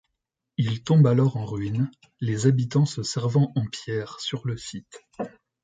Il tombe alors en ruines, les habitants se servant en pierres sur le site.